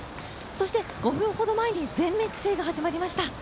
そして５分ほど前に全面規制が始まりました。